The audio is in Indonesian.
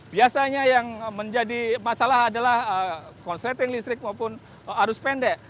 biasanya yang menjadi masalah adalah konsleting listrik maupun arus pendek